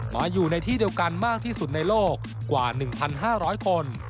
มาอยู่ในที่เดียวกันมากที่สุดในโลกกว่า๑๕๐๐คน